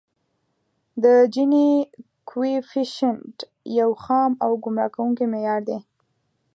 د جیني کویفیشینټ یو خام او ګمراه کوونکی معیار دی